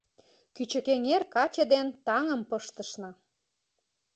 Кӱчыкэҥер каче ден таҥым пыштышна